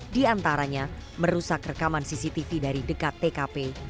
diantaranya merusak rekaman cctv dari dekat tkp